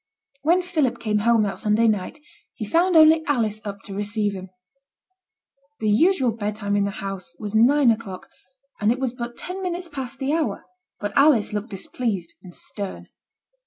When Philip came home that Sunday night, he found only Alice up to receive him. The usual bedtime in the household was nine o'clock, and it was but ten minutes past the hour; but Alice looked displeased and stern.